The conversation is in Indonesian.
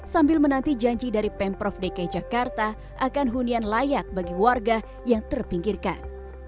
sambil menanti janji dari pemprov dki jakarta akan hunian layak bagi warga yang terpinggirkan